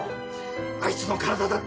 あいつの体だって